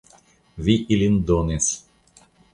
Vi ilin donis.